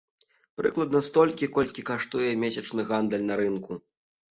Прыкладна столькі, колькі каштуе месячны гандаль на рынку.